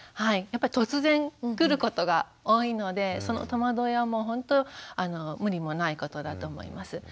やっぱり突然来ることが多いのでその戸惑いはもうほんと無理もないことだと思います。